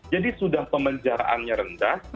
jadi sudah pemenjaraannya rendah